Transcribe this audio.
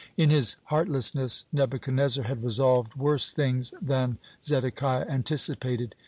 In his heartlessness Nebuchadnezzar had resolved worse things than Zedekiah anticipated.